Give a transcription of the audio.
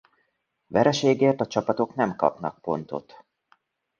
Vereségért a csapatok nem kapnak pontot.